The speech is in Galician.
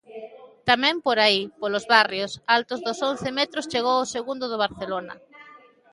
Tamén por aí, polos barrios altos dos once metros chegou o segundo do Barcelona.